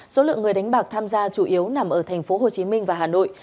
số lượng người đánh bạc tham gia chủ yếu nằm ở thành phố hồ chí minh và hà nội